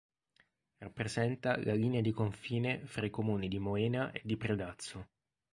Rappresenta la linea di confine fra i comuni di Moena e di Predazzo.